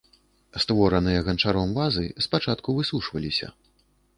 Створаныя ганчаром вазы спачатку высушваліся.